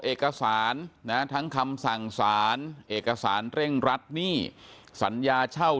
เอกสารนะทั้งคำสั่งสารเอกสารเร่งรัดหนี้สัญญาเช่า